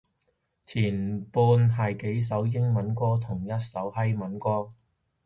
前半係幾首英文歌同一首西文歌